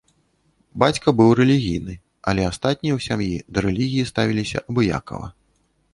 Бацька быў рэлігійны, але астатнія ў сям'і да рэлігіі ставіліся абыякава.